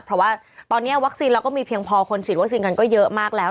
เพราะว่าตอนนี้วัคซีนเราก็มีเพียงพอคนฉีดวัคซีนกันก็เยอะมากแล้ว